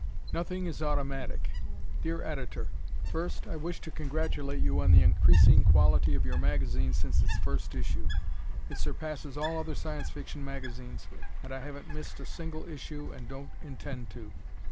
"Nothing Is Automatic" Dear Editor: First, I wish to congratulate you on the increasing quality of your magazine since its first issue. It surpasses all other Science Fiction magazines, and I haven't missed a single issue and don't intend to!